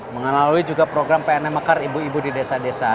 mengalami juga program pnmkr ibu ibu di desa desa